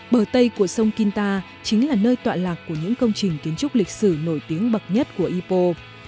bờ tây của sông kinta chính là nơi tọa lạc của những công trình kiến trúc lịch sử nổi tiếng bậc nhất của ipo